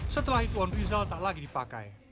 setelah itu on rizal tak lagi dipakai